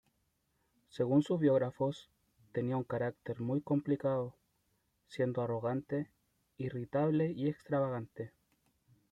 Según sus biógrafos, tenía un carácter muy complicado, siendo arrogante, irritable y extravagante.